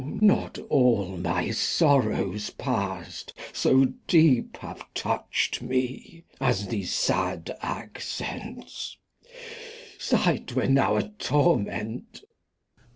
Not all my Sorrows past so deep have toucht me. As the sad Accents : Sight were now a Torment Lear.